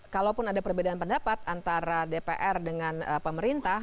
kalaupun ada perbedaan pendapat antara dpr dengan pemerintah